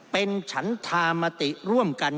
เป็นฉันธามติร่วมกัน